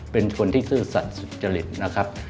เป็นคนที่ซื่อสัตว์สุจริตนะครับ